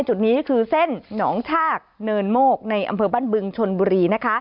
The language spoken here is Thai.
จุดนี้คือเส้นหนองชากเนินโมกในอำเภอบ้านบึงชนบุรีนะคะ